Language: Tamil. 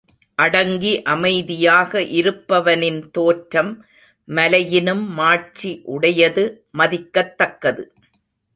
அடங்கி அமைதியாக இருப்பவனின் தோற்றம் மலையினும் மாட்சி உடையது மதிக்கத் தக்கது.